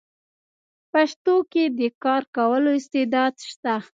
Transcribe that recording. پښتو کې د کار کولو استعداد شته: